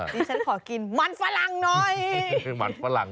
นี่ฉันขอกินมันฝรั่งหน่อย